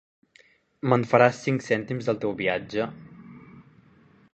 Me'n faràs cinc cèntims, del teu viatge?